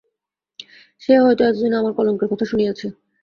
সে হয়তো এতদিনে আমার কলঙ্কের কথা শুনিয়াছে।